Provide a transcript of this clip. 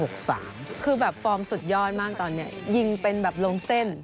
คือแบบฟอร์มสุดยอดมากตอนนี้ยิงเป็นแบบลงเส้น